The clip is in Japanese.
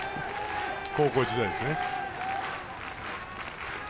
高校時代ですね。